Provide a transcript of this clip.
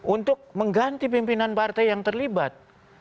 untuk mengganti pimpinan partai yang terlibat